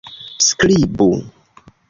skribu